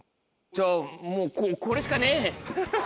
じゃあもうここれしかねえ！